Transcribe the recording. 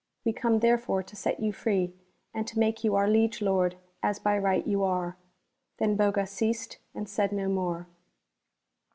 We come therefore to set you free, and to make you our Liege Lord as by right you are !" Then Boga ceased and said no more.